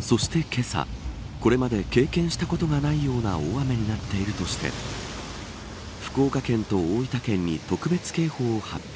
そして、けさこれまで経験したことがないような大雨になっているとして福岡県と大分県に特別警報を発表。